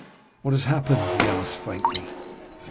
"What has happened?" he asked faintly.